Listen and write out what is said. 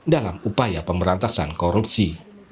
dalam upaya pemberantasan korupsi